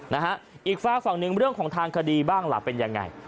นะฮะอีกฟ้าฝั่งหนึ่งเรื่องของทางคดีบ้างล่ะเป็นยังไง